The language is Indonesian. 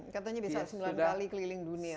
katanya bisa sembilan kali keliling dunia